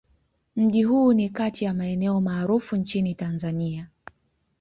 Mji huu ni kati ya maeneo maarufu nchini Tanzania.